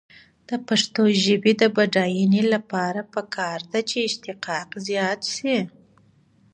د پښتو ژبې د بډاینې لپاره پکار ده چې اشتقاق زیات شي.